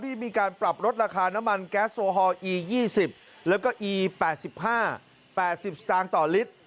มีการปรับลดราคาน้ำมันแก๊สโอฮอลอี๒๐แล้วก็อี๘๕๘๐สตางค์ต่อลิตร